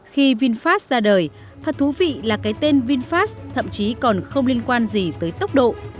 khi vinfast ra đời thật thú vị là cái tên vinfast thậm chí còn không liên quan gì tới tốc độ